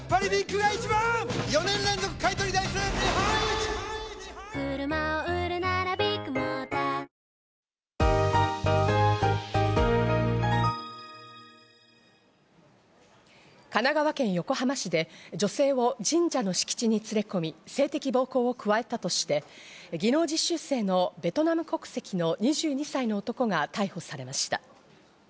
一方、殺人などの罪で去年神奈川県横浜市で女性を神社の敷地に連れ込み性的暴行を加えたとして、技能実習生のベトナム国籍の２２歳の男が逮捕されました。